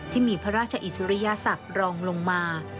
ที่มีพระราชอิสริยศักดิ์รองลงมา